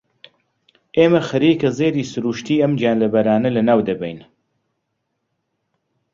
ئێمە خەریکە زێدی سروشتیی ئەم گیانلەبەرانە لەناو دەبەین.